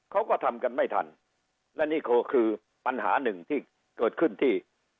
เขาก็ทำกันไม่ทันและนี่ก็คือปัญหาหนึ่งที่เกิดขึ้นที่